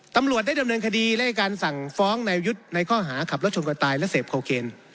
ตำรวจได้ดำเนินคดีและการสั่งฟ้องนายยุทธ์ในข้อหาขับรถชนคนตายและเสพโคเคน